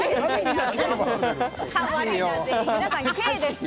皆さん、Ｋです。